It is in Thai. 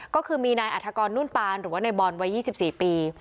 ก็คือมีนายอาธกรนุ่นปานหรือว่านายบอลวัยยี่สิบสี่ปี